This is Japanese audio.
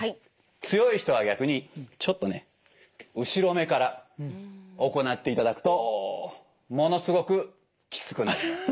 強い人は逆にちょっとね後ろめから行っていただくとものすごくきつくなります。